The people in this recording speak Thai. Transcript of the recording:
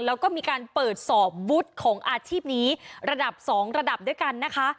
แล้วก็มีการเปิดสอบวุฒิของอาชีพนี้ระดับ๒ระดับด้วยกันนะคะ